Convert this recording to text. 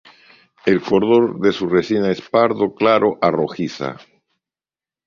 El color de su resina es pardo claro a rojiza.